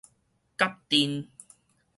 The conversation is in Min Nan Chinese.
敆陣